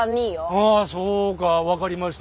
ああそうか分かりました。